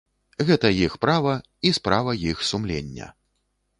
Гэта іх права і справа іх сумлення.